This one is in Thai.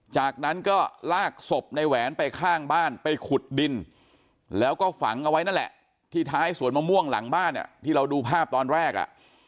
จากนั้นก็ลากศพในแหวนไปข้างบ้านไปขุดดินแล้วก็ฝังเอาไว้นั่นแหละที่ท้ายสวนมะม่วงหลังบ้านที่เราดูภาพตอนแรกอ่ะ